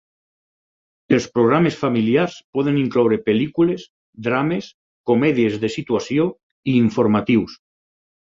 El programes familiars poden incloure pel·lícules, drames, comèdies de situació i informatius.